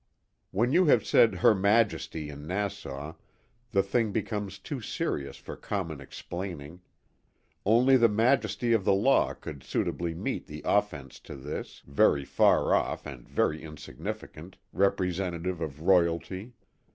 When you have said " Her Majesty " in Nassau the thing becomes too serious for com mon explaining; only the majesty of the law could suitably meet the offense to this (very far off and very insignificant) representative of royalty.